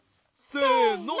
せの。